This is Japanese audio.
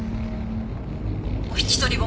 お引き取りを。